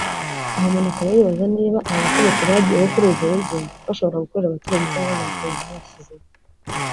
aho umuntu akaba yibaza niba abo bategetsi bagiyeho kuri ubwo buryo bashobora gukorera abaturage cyangwa bazakorera ababashyizeho